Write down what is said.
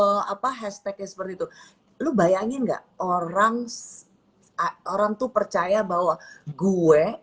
terus itu gua lihat apa hashtagnya seperti itu lu bayangin gak orang orang tuh percaya bahwa gue